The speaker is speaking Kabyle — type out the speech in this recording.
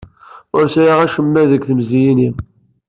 Ur sɛiɣ acemma deg temziyin-iw.